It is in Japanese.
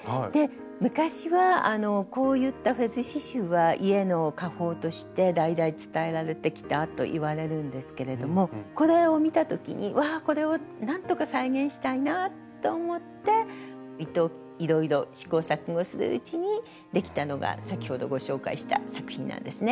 昔はこういったフェズ刺しゅうは家の家宝として代々伝えられてきたといわれるんですけれどもこれを見た時にわあこれをなんとか再現したいなと思って糸いろいろ試行錯誤するうちにできたのが先ほどご紹介した作品なんですね。